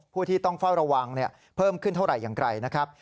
ผู้ที่ต้องเฝ้าระวังเพิ่มขึ้นเท่าไหร่อย่างไรนะครับ